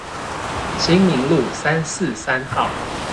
新明路三四三號